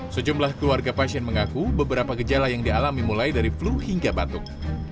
sejumlah keluarga pasien mengaku beberapa gejala yang dialami mulai dari flu hingga batuk